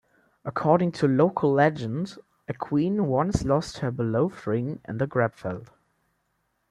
According to local legend a queen once lost her beloved ring in the Grabfeld.